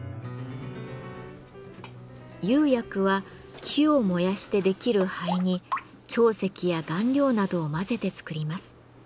釉薬は木を燃やしてできる灰に長石や顔料などを混ぜて作ります。